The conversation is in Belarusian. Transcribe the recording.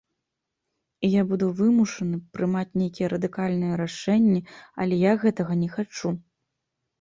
І я буду вымушаны прымаць нейкія радыкальныя рашэнні, але я гэтага не хачу.